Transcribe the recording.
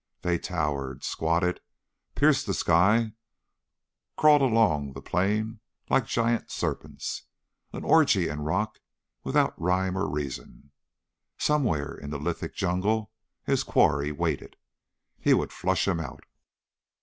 They towered, squatted, pierced the sky, crawled along the plain like giant serpents an orgy in rock without rhyme or reason. Somewhere in the lithic jungle his quarry waited. He would flush him out.